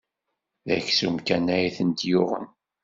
D aksum kan ay tent-yuɣen.